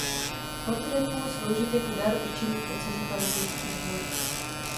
Portrét mohl sloužit jako dar určený pro cizí panovnický dvůr.